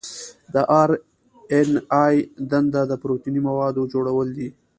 د آر این اې دنده د پروتیني موادو جوړول دي.